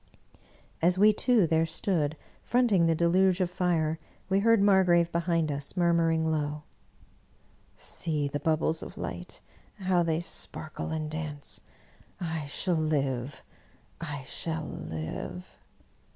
As we two there stood, fronting the deluge of fire, we heard Margrave behind us, murmuring low, " See the bub bles of light, how they sparkle and dance — I shall live, I shall live